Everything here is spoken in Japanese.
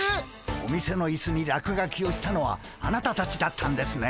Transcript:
お店のいすに落書きをしたのはあなたたちだったんですね。